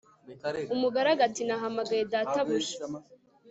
Umugaragu ati nahamagaye databuja